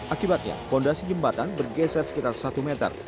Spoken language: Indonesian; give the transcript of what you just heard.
akibatnya fondasi jembatan bergeser sekitar satu meter